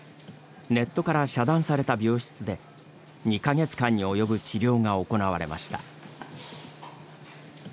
ネットから遮断された病室で２か月間に及ぶ治療が行われました。